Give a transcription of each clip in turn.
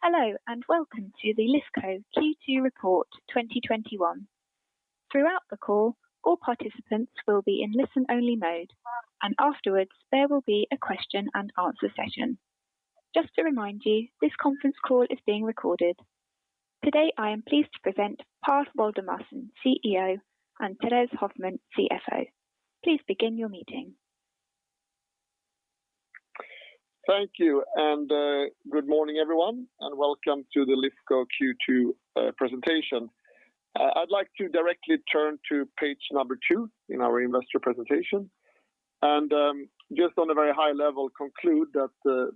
Hello, and welcome to the Lifco Q2 report 2021. Throughout the call, all participants will be in listen-only mode, and afterwards, there will be a question-and -answer session. Just to remind you, this conference call is being recorded. Today, I am pleased to present Per Waldemarson, CEO, and Therése Hoffman, CFO. Please begin your meeting. Thank you. Good morning, everyone, and welcome to the Lifco Q2 2021 presentation. I'd like to directly turn to page 2 in our investor presentation, and just on a very high level conclude that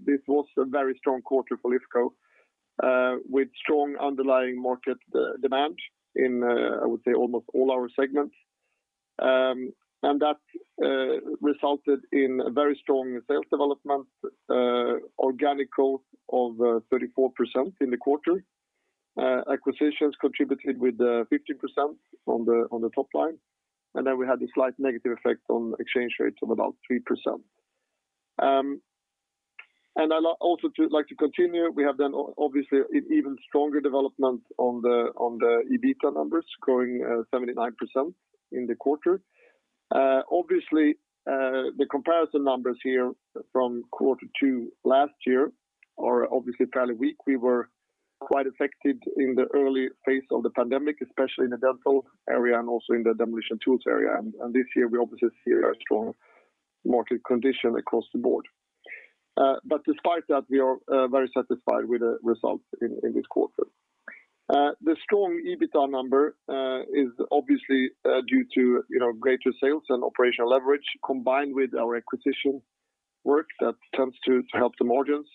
this was a very strong quarter for Lifco with strong underlying market demand in, I would say, almost all our segments. That resulted in very strong sales development, organic growth of 34% in the quarter. Acquisitions contributed with 15% on the top line, then we had a slight negative effect on exchange rates of about 3%. I also like to continue, we have then obviously even stronger development on the EBITDA numbers, growing 79% in the quarter. Obviously, the comparison numbers here from Q2 last year are obviously fairly weak. We were quite affected in the early phase of the pandemic, especially in the dental area and also in the Demolition & Tools area. This year we obviously see a strong market condition across the board. Despite that, we are very satisfied with the results in this quarter. The strong EBITDA number is obviously due to greater sales and operational leverage combined with our acquisition work that tends to help the margins.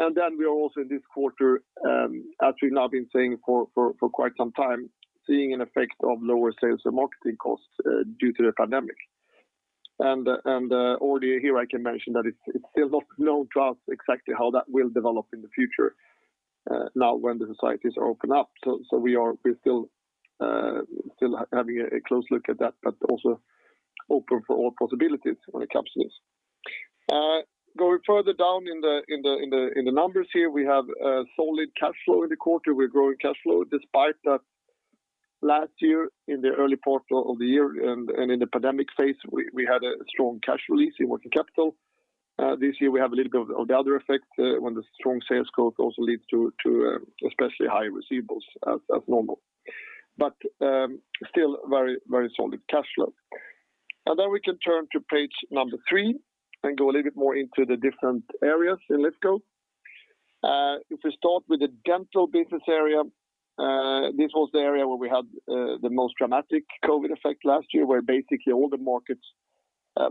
We are also in this quarter, as we've now been saying for quite some time, seeing an effect of lower sales and marketing costs due to the pandemic. Already here I can mention that it's still not known to us exactly how that will develop in the future now when the societies are opened up. We're still having a close look at that, but also open for all possibilities when it comes to this. Going further down in the numbers here, we have a solid cash flow in the quarter. We're growing cash flow despite that last year in the early quarter of the year and in the pandemic phase, we had a strong cash release in working capital. This year we have a little bit of the other effect, when the strong sales growth also leads to especially high receivables as normal. Still very solid cash flow. Then we can turn to page 3 and go a little bit more into the different areas in Lifco. If we start with the dental business area, this was the area where we had the most dramatic COVID effect last year, where basically all the markets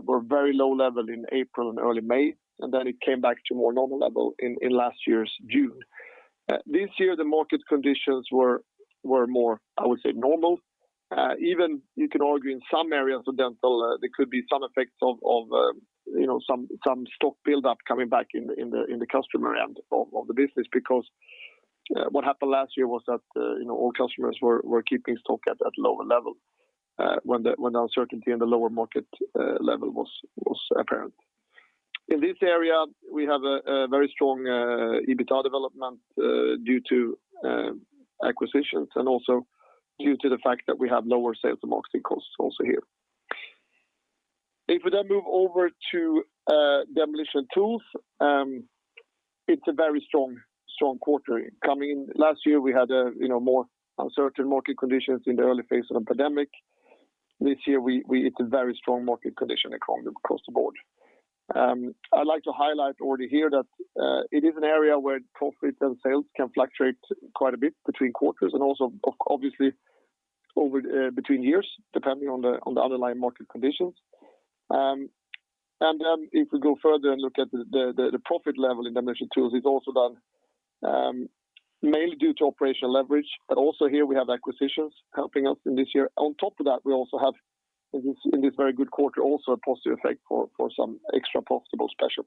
were very low level in April and early May, and then it came back to more normal level in last year's June. This year, the market conditions were more, I would say, normal. Even you can argue in some areas of dental, there could be some effects of some stock buildup coming back in the customer end of the business because what happened last year was that all customers were keeping stock at lower level when the uncertainty and the lower market level was apparent. In this area, we have a very strong EBITDA development due to acquisitions and also due to the fact that we have lower sales and marketing costs also here. If we move over to Demolition & Tools, it's a very strong quarter coming in. Last year, we had more uncertain market conditions in the early phase of the pandemic. This year, it's a very strong market condition across the board. I'd like to highlight already here that it is an area where profit and sales can fluctuate quite a bit between quarters and also obviously between years, depending on the underlying market conditions. If we go further and look at the profit level in Demolition & Tools, it's also done mainly due to operational leverage. Also here we have acquisitions helping us in this year. On top of that, we also have in this very good quarter also a positive effect for some extra profitable special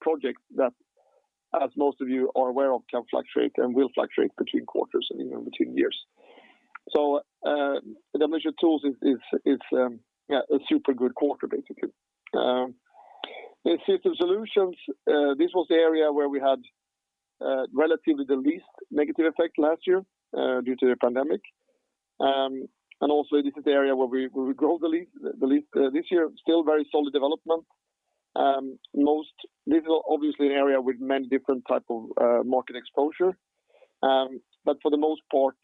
projects that, as most of you are aware of, can fluctuate and will fluctuate between quarters and even between years. Demolition & Tools, it's a super good quarter, basically. In Systems Solutions, this was the area where we had relatively the least negative effect last year due to the pandemic. This is the area where we grew the least this year. Still very solid development. This is obviously an area with many different type of market exposure. For the most part,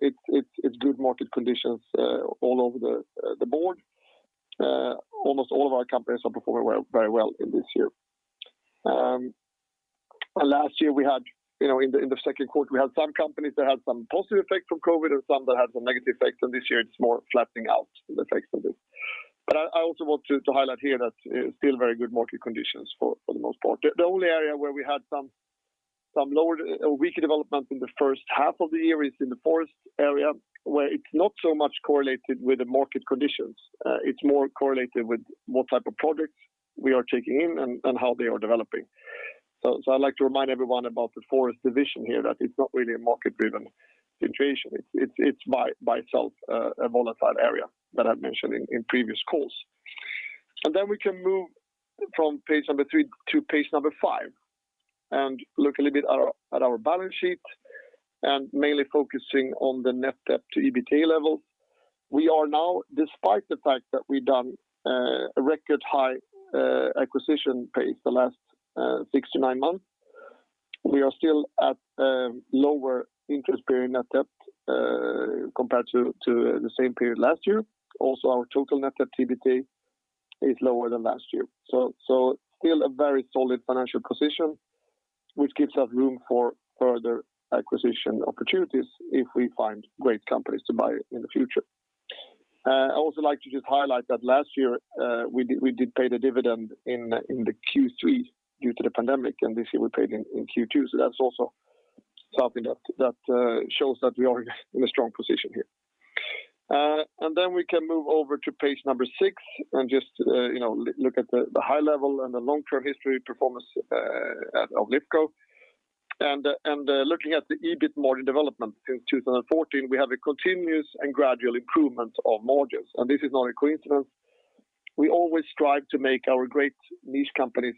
it's good market conditions all over the board. Almost all of our companies are performing very well this year. Last year, in the second quarter, we had some companies that had some positive effects from COVID and some that had some negative effects, and this year it's more flattening out the effects of this. I also want to highlight here that it's still very good market conditions for the most part. The only area where we had some weaker development in the first half of the year is in the forest area, where it's not so much correlated with the market conditions. It's more correlated with what type of projects we are taking in and how they are developing. I'd like to remind everyone about the forest division here, that it's not really a market-driven situation. It's by itself a volatile area that I've mentioned in previous calls. We can move from page 3 to page 5 and look a little bit at our balance sheet and mainly focusing on the net debt to EBITA level. We are now, despite the fact that we've done a record high acquisition pace the last 6 to 9 months, we are still at lower interest-bearing net debt compared to the same period last year. Our total net debt to EBITA is lower than last year. Still a very solid financial position, which gives us room for further acquisition opportunities if we find great companies to buy in the future. I also like to just highlight that last year we did pay the dividend in Q3 due to the pandemic. This year we paid in Q2. That's also something that shows that we are in a strong position here. We can move over to page 6 and just look at the high level and the long-term history performance of Lifco. Looking at the EBIT margin development since 2014, we have a continuous and gradual improvement of margins. This is not a coincidence. We always strive to make our great niche companies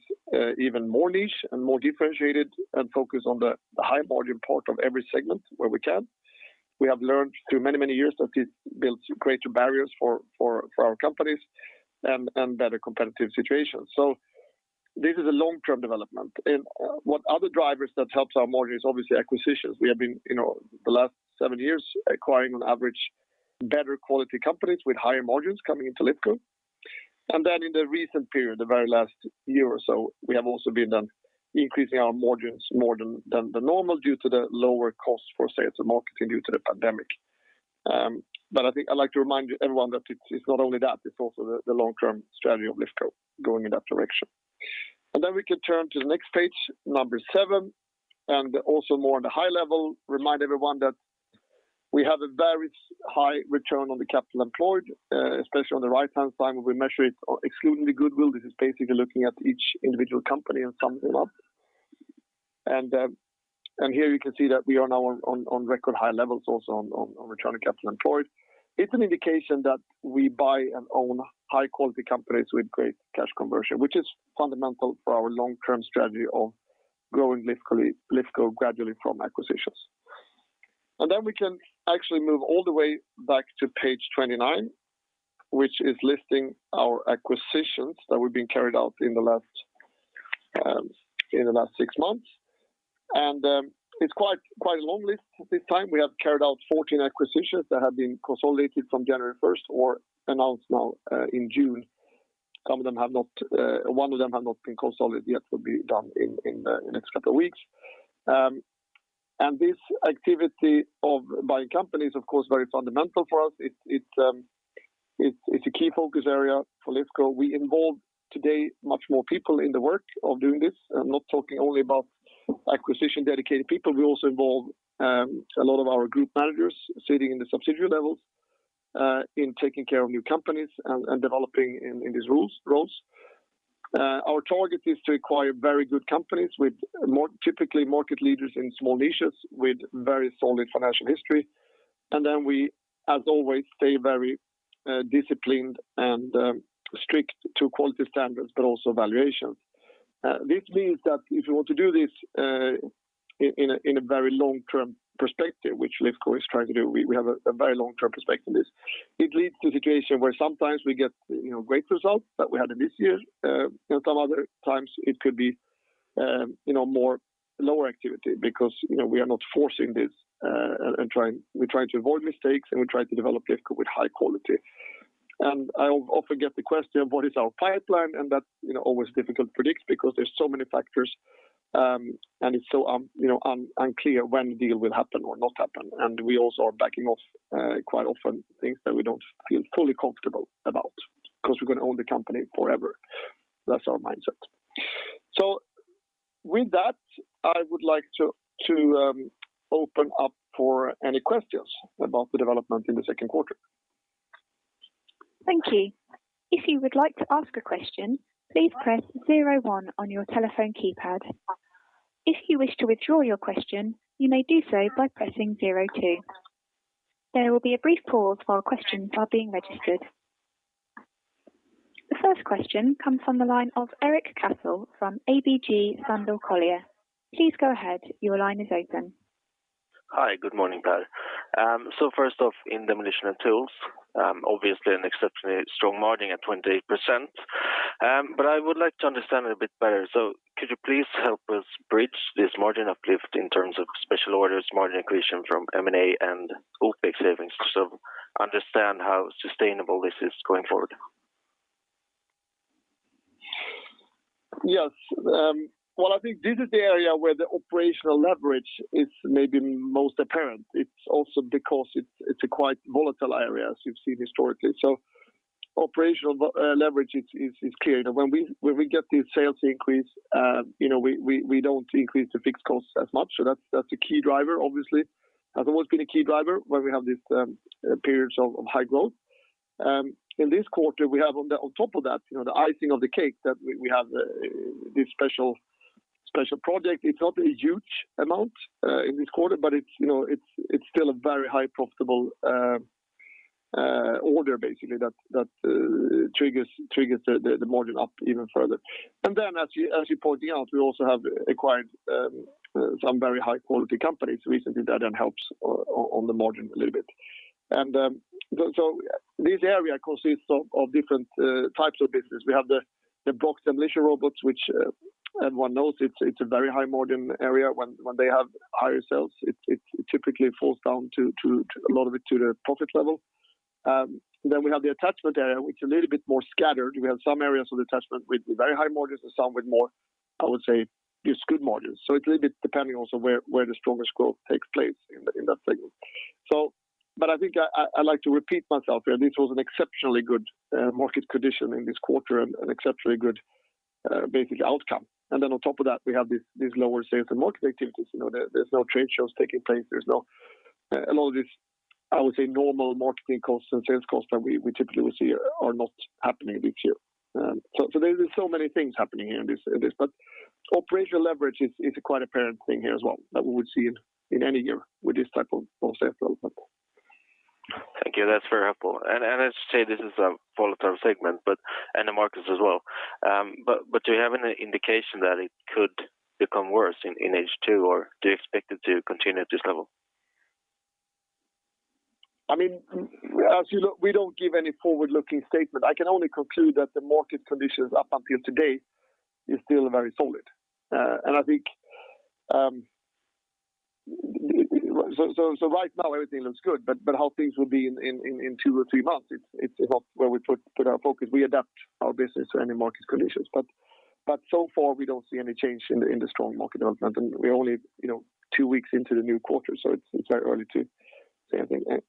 even more niche and more differentiated and focus on the high margin part of every segment where we can. We have learned through many years that this builds greater barriers for our companies and better competitive situations. This is a long-term development. What other drivers that helps our margin is obviously acquisitions. We have been, the last seven years, acquiring on average better quality companies with higher margins coming into Lifco. In the recent period, the very last year or so, we have also been increasing our margins more than the normal due to the lower cost for sales and marketing due to the pandemic. I think I'd like to remind everyone that it's not only that, it's also the long-term strategy of Lifco going in that direction. We can turn to the next page 7, and also more on the high level, remind everyone that we have a very high return on the capital employed, especially on the right-hand side where we measure it excluding the goodwill. This is basically looking at each individual company and summing them up. Here you can see that we are now on record high levels also on return on capital employed. It's an indication that we buy and own high quality companies with great cash conversion, which is fundamental for our long-term strategy of growing Lifco gradually from acquisitions. We can actually move all the way back to page 29, which is listing our acquisitions that have been carried out in the last 6 months. It's quite a long list this time. We have carried out 14 acquisitions that have been consolidated from January 1st or announced now in June. One of them has not been consolidated yet, will be done in the next couple of weeks. This activity of buying companies, of course, very fundamental for us. It's a key focus area for Lifco. We involve today much more people in the work of doing this. I'm not talking only about acquisition-dedicated people. We also involve a lot of our group managers sitting in the subsidiary levels in taking care of new companies and developing in these roles. Our target is to acquire very good companies with typically market leaders in small niches with very solid financial history. Then we, as always, stay very disciplined and strict to quality standards, but also valuations. This means that if you want to do this in a very long-term perspective, which Lifco is trying to do, we have a very long-term perspective in this. It leads to a situation where sometimes we get great results, like we had in this year. Some other times it could be lower activity because we are not forcing this. We try to avoid mistakes. We try to develop Lifco with high quality. I often get the question, what is our pipeline? That's always difficult to predict because there's so many factors, and it's so unclear when the deal will happen or not happen. We also are backing off quite often things that we don't feel fully comfortable about because we're going to own the company forever. That's our mindset. With that, I would like to open up for any questions about the development in the second quarter. Thank you. If you would like to ask a question, please press one on your telephone keypad. If you wish to withdraw your question, you may do so by pressing two. There will be a brief pause while questions are being registered. The first question comes on the line of Erik Cassel from ABG Sundal Collier. Please go ahead. Your line is open. Hi, good morning, Per. First off, in Demolition & Tools, obviously an exceptionally strong margin at 28%. I would like to understand a bit better. Could you please help us bridge this margin uplift in terms of special orders, margin accretion from M&A and OpEx savings to sort of understand how sustainable this is going forward? Yes. Well, I think this is the area where the operational leverage is maybe most apparent. It's also because it's a quite volatile area, as you've seen historically. Operational leverage is clear that when we get these sales increase, we don't increase the fixed costs as much. That's a key driver, obviously. It has always been a key driver when we have these periods of high growth. In this quarter, we have on top of that, the icing on the cake that we have this special project, it's not a huge amount in this quarter, but it's still a very high profitable order, basically, that triggers the margin up even further. As you're pointing out, we also have acquired some very high-quality companies recently that then helps on the margin a little bit. This area consists of different types of business. We have the Brokk and Darda robots, which everyone knows it's a very high margin area. When they have higher sales, it typically falls down a lot of it to the profit level. We have the attachment area, which is a little bit more scattered. We have some areas of attachment with very high margins and some with more, I would say, good margins. It's a little bit depending also where the strongest growth takes place in that segment. I think I like to repeat myself here, this was an exceptionally good market condition in this quarter and exceptionally good basic outcome. On top of that, we have these lower sales and marketing activities. There's no trade shows taking place. A lot of these, I would say, normal marketing costs and sales costs that we typically would see are not happening this year. There's so many things happening here in this. Operational leverage is a quite apparent thing here as well that we would see in any year with this type of sales level. Thank you. That's very helpful. As you say, this is a volatile segment, and the markets as well. Do you have any indication that it could become worse in H2, or do you expect it to continue at this level? We don't give any forward-looking statement. I can only conclude that the market conditions up until today are still very solid. Right now everything looks good. How things will be in 2 or 3 months, it's not where we put our focus. We adapt our business to any market conditions. So far, we don't see any change in the strong market development. We're only 2 weeks into the new quarter, so it's very early to say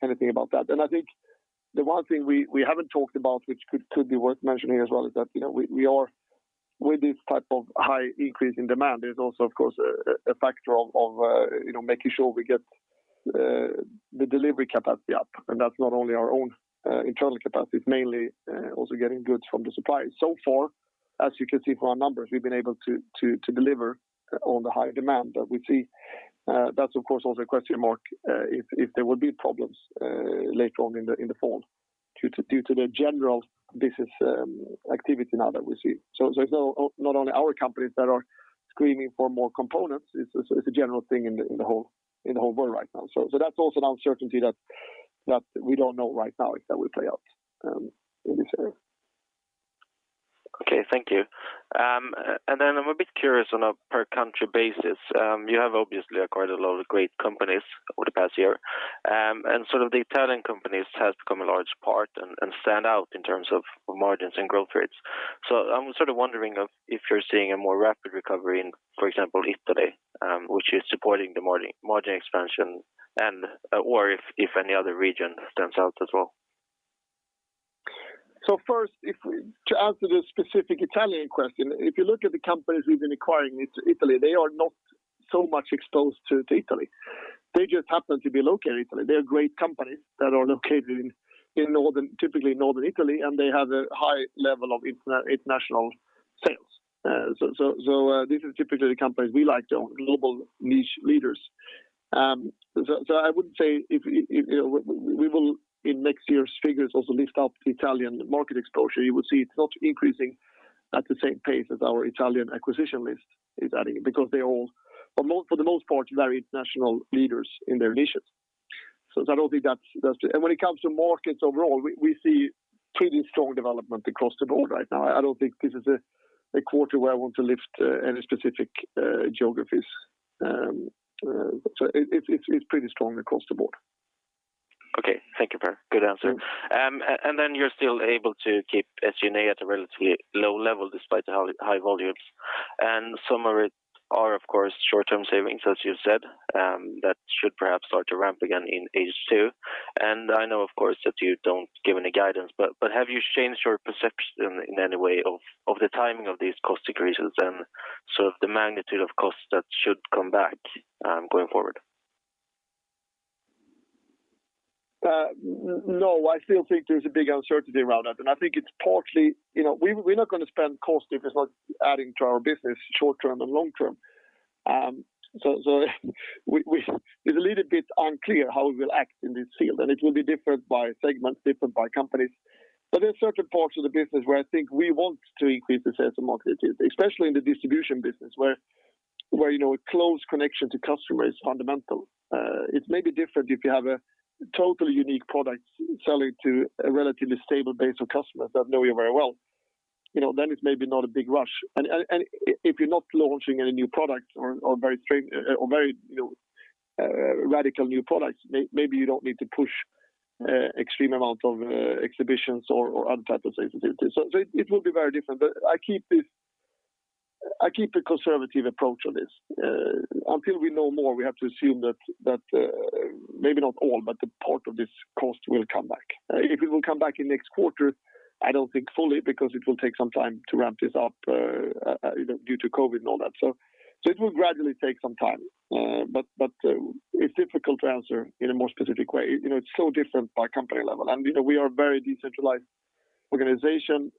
anything about that. I think the one thing we haven't talked about, which could be worth mentioning as well, is that with this type of high increase in demand, there's also, of course, a factor of making sure we get the delivery capacity up, and that's not only our own internal capacity. It's mainly also getting goods from the suppliers. Far, as you can see from our numbers, we've been able to deliver on the high demand that we see. That's, of course, also a question mark, if there will be problems later on in the fall due to the general business activity now that we see. It's not only our companies that are screaming for more components, it's a general thing in the whole world right now. That's also an uncertainty that we don't know right now how it will play out in this area. Okay. Thank you. I'm a bit curious on a per country basis. You have obviously acquired a lot of great companies over the past year, and the Italian companies have become a large part and stand out in terms of margins and growth rates. I'm wondering if you're seeing a more rapid recovery in, for example, Italy, which is supporting the margin expansion and/or if any other region stands out as well. First, to answer the specific Italian question, if you look at the companies we've been acquiring in Italy, they are not so much exposed to Italy. They just happen to be located in Italy. They're great companies that are located in, typically, northern Italy, and they have a high level of international sales. These are typically the companies we like to own, global niche leaders. I would say we will, in next year's figures, also list out Italian market exposure. You will see it's not increasing at the same pace as our Italian acquisition list is adding, because they all, for the most part, are very international leaders in their niches. I don't think that's it. When it comes to markets overall, we see pretty strong development across the board right now. I don't think this is a quarter where I want to lift any specific geographies. It's pretty strong across the board. Okay. Thank you, Per. Good answer. You're still able to keep SG&A at a relatively low level despite the high volumes. Some of it are, of course, short-term savings, as you said, that should perhaps start to ramp again in H2. I know, of course, that you don't give any guidance, but have you changed your perception in any way of the timing of these cost increases and the magnitude of costs that should come back going forward? I still think there's a big uncertainty around that. I think it's partly, we're not going to spend cost if it's not adding to our business short term and long term. It's a little bit unclear how we will act in this field, and it will be different by segment, different by companies. There are certain parts of the business where I think we want to increase the sales and marketing, especially in the distribution business, where a close connection to customer is fundamental. It may be different if you have a totally unique product selling to a relatively stable base of customers that know you very well, it's maybe not a big rush. If you're not launching any new product or very radical new products, maybe you don't need to push extreme amounts of exhibitions or other types of sales activities. It will be very different. I keep a conservative approach on this. Until we know more, we have to assume that maybe not all, but a part of this cost will come back. If it will come back in next quarter, I don't think fully, because it will take some time to ramp this up due to COVID and all that. It will gradually take some time. It's difficult to answer in a more specific way. It's so different by company level, and we are a very decentralized organization.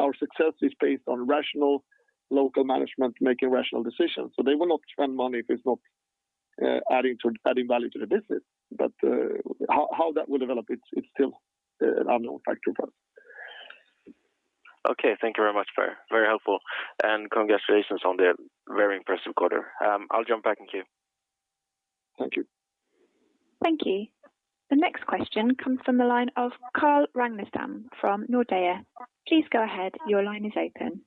Our success is based on rational local management making rational decisions. They will not spend money if it's not adding value to the business. How that will develop, it's still an unknown factor for us. Okay. Thank you very much. Very helpful, and congratulations on the very impressive quarter. I'll jump back in queue. Thank you. Thank you. The next question comes from the line of Carl Ragnerstam from Nordea. Please go ahead. Your line is open.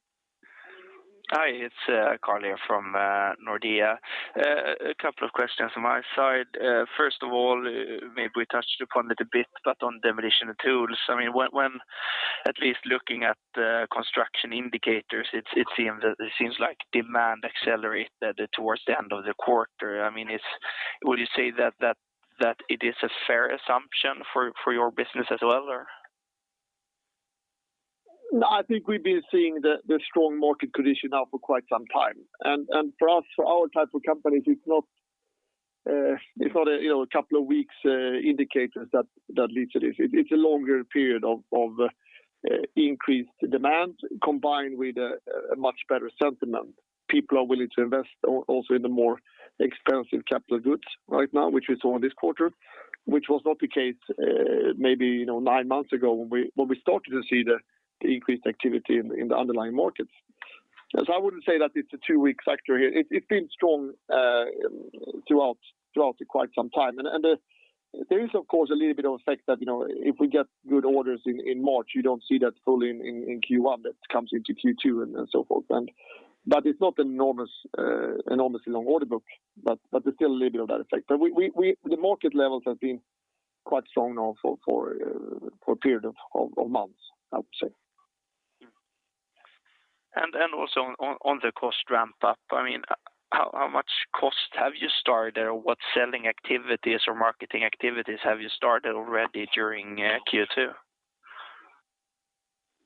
Hi, it's Carl here from Nordea. A couple of questions from my side. First of all, maybe we touched upon it a bit, but on demolition tools. When at least looking at the construction indicators, it seems like demand accelerated towards the end of the quarter. Would you say that it is a fair assumption for your business as well? No, I think we've been seeing the strong market condition now for quite some time. For us, for our type of companies, it's not a couple of weeks indicators that leads it. It's a longer period of increased demand combined with a much better sentiment. People are willing to invest also in the more expensive capital goods right now, which we saw in this quarter, which was not the case maybe nine months ago when we started to see the increased activity in the underlying markets. I wouldn't say that it's a 2-week factor here. It's been strong throughout quite some time. There is, of course, a little bit of effect that if we get good orders in March, you don't see that fully in Q1, that comes into Q2 and so forth. It's not an enormously long order book, but there's still a little bit of that effect. The market levels have been quite strong now for a period of months, I would say. Also on the cost ramp up, how much cost have you started or what selling activities or marketing activities have you started already during Q2?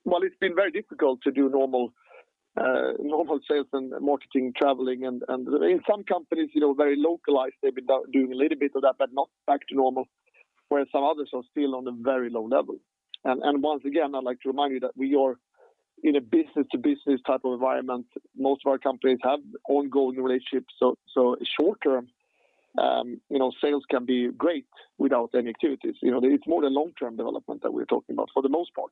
Well, it's been very difficult to do normal sales and marketing, traveling. In some companies, very localized, they've been doing a little bit of that, but not back to normal, where some others are still on a very low level. Once again, I'd like to remind you that we are in a business-to-business type of environment. Most of our companies have ongoing relationships, so short term, sales can be great without any activities. It's more the long-term development that we're talking about for the most part,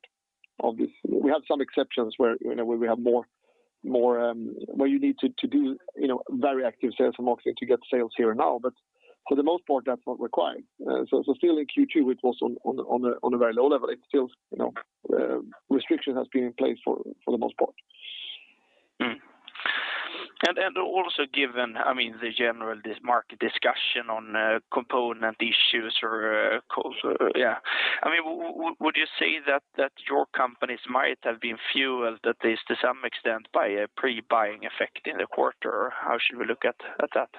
obviously. We have some exceptions where you need to do very active sales and marketing to get sales here now. For the most part, that's not required. Still in Q2, it was on a very low level. It feels restriction has been in place for the most part. Also given the general market discussion on component issues or cost, would you say that your companies might have been fueled, at least to some extent, by a pre-buying effect in the quarter? Or how should we look at that?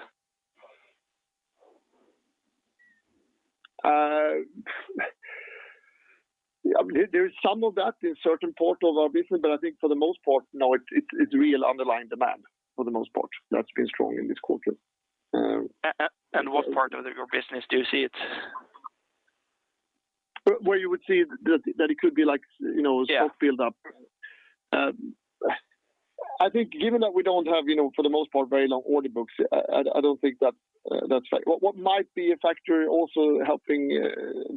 There is some of that in certain parts of our business, but I think for the most part, no, it's real underlying demand, for the most part, that's been strong in this quarter. What part of your business do you see it? Where you would see that it could be like. Yeah. stock build-up? I think given that we don't have, for the most part, very long order books, I don't think that's right. What might be a factor also helping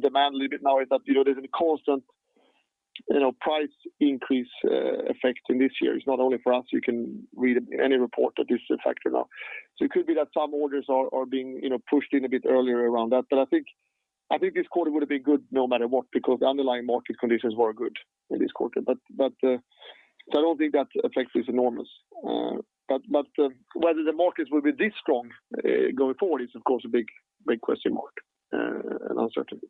demand a little bit now is that there's a constant price increase effect in this year. It's not only for us. You can read any report that this is a factor now. It could be that some orders are being pushed in a bit earlier around that. I think this quarter would have been good no matter what, because underlying market conditions were good in this quarter. I don't think that effect is enormous. Whether the markets will be this strong going forward is, of course, a big question mark and uncertainty.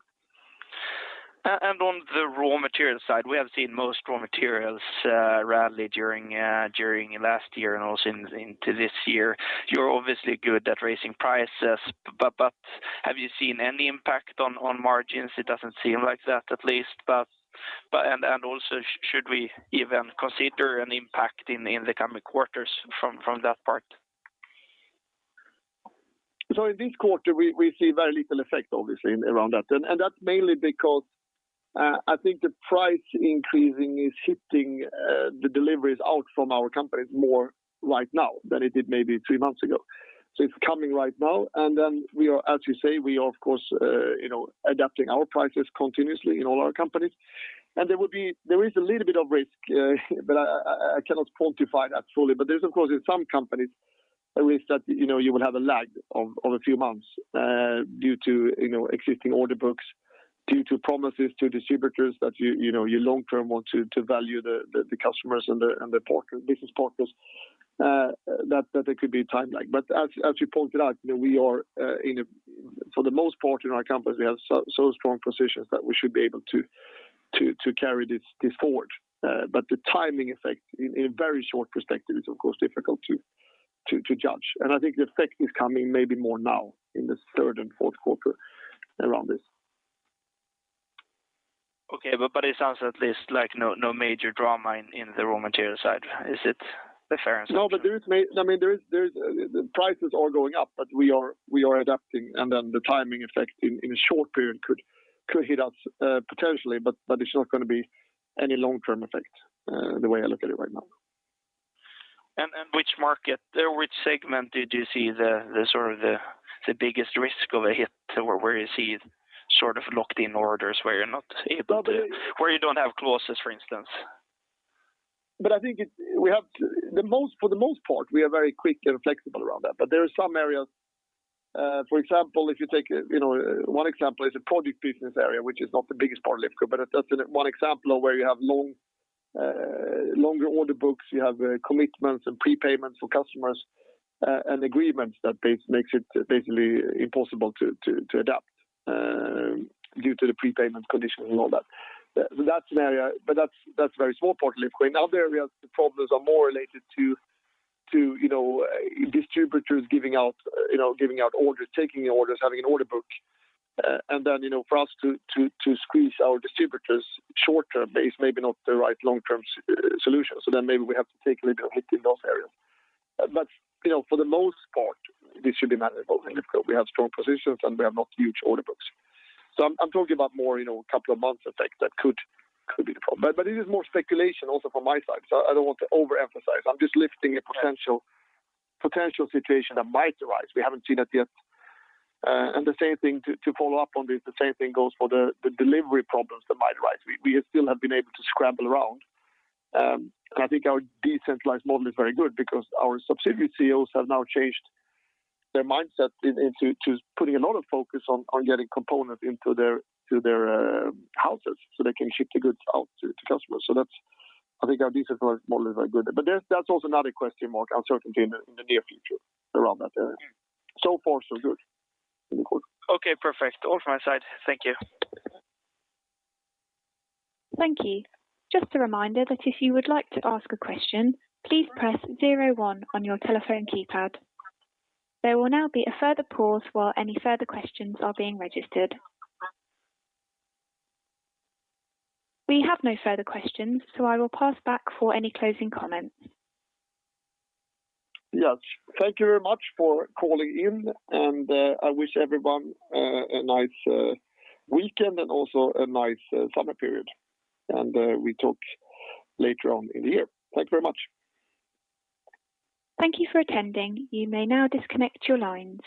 On the raw material side, we have seen most raw materials rally during last year and also into this year. You're obviously good at raising prices, but have you seen any impact on margins? It doesn't seem like that, at least. Also, should we even consider an impact in the coming quarters from that part? In this quarter, we see very little effect, obviously, around that. That's mainly because I think the price increasing is shifting the deliveries out from our companies more right now than it did maybe 3 months ago. It's coming right now. Then as you say, we are, of course adapting our prices continuously in all our companies. There is a little bit of risk, I cannot quantify that fully. There's, of course, in some companies, a risk that you will have a lag of a few months due to existing order books, due to promises to distributors that you long term want to value the customers and the business partners, that there could be a time lag. As you pointed out, for the most part in our companies, we have so strong positions that we should be able to carry this forward. The timing effect in a very short perspective is, of course, difficult to judge. I think the effect is coming maybe more now in the third and fourth quarter around this. Okay. It sounds at least like no major drama in the raw material side. Is it? The fair answer. Prices are going up. We are adapting. The timing effect in a short period could hit us potentially. It's not going to be any long-term effect, the way I look at it right now. Which market or which segment did you see the biggest risk of a hit? Or where you see locked-in orders where you don't have clauses, for instance? I think for the most part, we are very quick and flexible around that. There are some areas, one example is a project business area, which is not the biggest part of Lifco, but that's one example of where you have longer order books, you have commitments and prepayments for customers, and agreements that makes it basically impossible to adapt due to the prepayment conditions and all that. That's an area, but that's a very small part of Lifco. In other areas, the problems are more related to distributors giving out orders, taking orders, having an order book. For us to squeeze our distributors short-term base may be not the right long-term solution. Maybe we have to take a little hit in those areas. For the most part, this should be manageable in Lifco. We have strong positions. We have not huge order books. I'm talking about more a couple of months effect that could be the problem. It is more speculation also from my side. I don't want to overemphasize. I'm just lifting a potential situation that might arise. We haven't seen that yet. To follow up on this, the same thing goes for the delivery problems that might arise. We still have been able to scramble around. I think our decentralized model is very good because our subsidiary CEOs have now changed their mindset into putting a lot of focus on getting components into their houses so they can ship the goods out to customers. I think our decentralized model is very good. That's also another question mark uncertainty in the near future around that area. So far, so good. Really good. Okay, perfect. All from my side. Thank you. Thank you. Just a reminder that if you would like to ask a question, please press one on your telephone keypad. There will now be a further pause while any further questions are being registered. We have no further questions. I will pass back for any closing comments. Yes. Thank you very much for calling in. I wish everyone a nice weekend and also a nice summer period. We talk later on in the year. Thank you very much. Thank you for attending. You may now disconnect your lines.